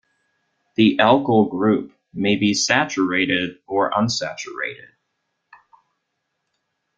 The alkyl group may be saturated or unsaturated.